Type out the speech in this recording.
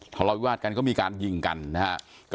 ทะเลาวิวาสกันก็มีการยิงกันนะครับ